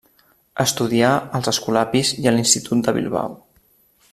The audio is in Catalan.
Estudià als Escolapis i a l'Institut de Bilbao.